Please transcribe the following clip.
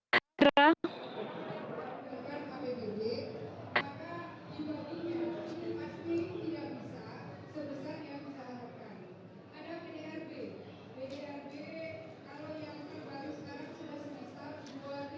ada pdrb pdrb kalau yang terbaru sekarang sudah semesta